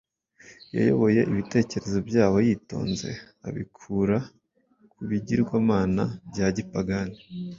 yayoboye ibitekerezo byabo yitonze abikura ku bigirwamana bya gipagani,